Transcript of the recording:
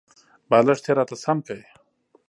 بالښت یې راته سم کړ .